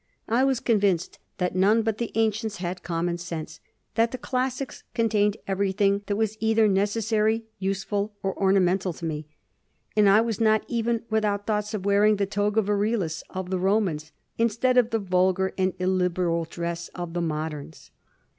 I was convinced that none but the ancients had common sense; that the classics contained everything that was either nec essary, useful, or ornamental to me ;... and I was not even without thoughts of wearing the toga virilis of the Romans, instead of the vulgar and illiberal dress of the moderns."